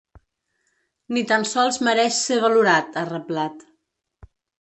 Ni tan sols mereix ser valorat, ha reblat.